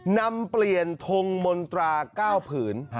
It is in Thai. นำเปลี่ยนธงมนตราเกล้าผื่น